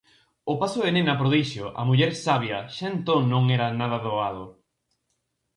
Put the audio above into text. O paso de nena prodixio a muller sabia xa entón non era nada doado.